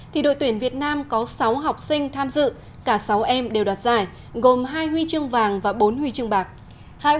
thì đội tuyển việt nam có sáu học sinh tham dự cả sáu em đều đoạt giải gồm hai huy chương vàng và bốn huy chương bạc